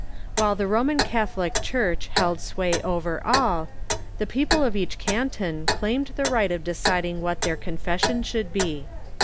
While the Roman Catholic Church held sway over all, the people of each canton claimed the right of deciding what their confession should be.